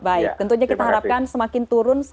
baik tentunya kita harapkan semakin turun